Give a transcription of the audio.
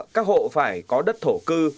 các hộ phải có đất thổ cư